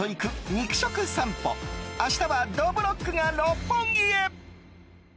肉食さんぽ明日は、どぶろっくが六本木へ！